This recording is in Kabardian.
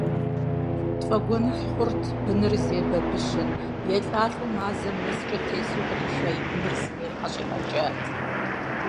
ТфӀэгуэныхь хъурт быныр зей бабыщыр: елӀалӀэу мазэм нэскӀэ тесу къриша и быныр зымейм ӀэщӀигъэкӀат.